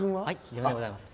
自分でございます。